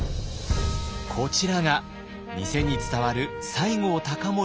こちらが店に伝わる西郷隆盛の書。